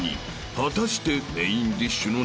［果たして］